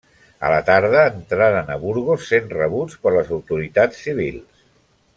A la tarda entraren a Burgos, sent rebuts per les autoritats civils.